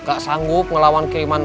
nggak sanggup ngelawan kiriman real